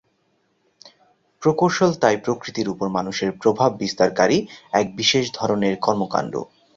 প্রকৌশল তাই প্রকৃতির উপর মানুষের প্রভাব বিস্তারকারী এক বিশেষ ধরনের কর্মকাণ্ড।